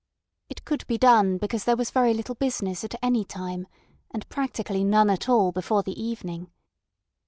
It could be done, because there was very little business at any time, and practically none at all before the evening.